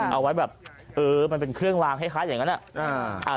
เอาไว้แบบเออมันเป็นเครื่องลางคล้ายอย่างนั้นอะ